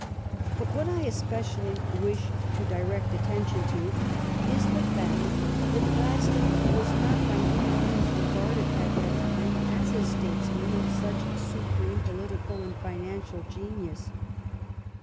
But what I espe cially wish to direct attention to is the fact that Gladstone was not by any means regarded at that time as a statesman of such supreme political and financial genius.